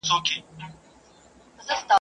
پر سجده سو قلندر ته په دعا سو.